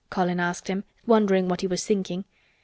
Colin asked him, wondering what he was thinking.